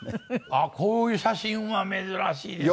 あっこういう写真は珍しいですね。